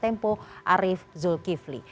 pemimpin redaksi tv